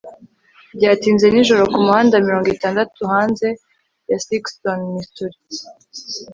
byatinze nijoro kumuhanda mirongo itandatu hanze ya sikeston missouri